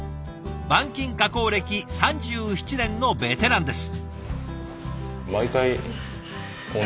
板金加工歴３７年のベテランです。